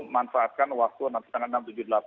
manfaatkan waktu enam tujuh puluh delapan